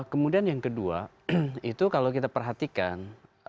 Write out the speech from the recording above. kemudian yang kedua itu kalau kita perhatikan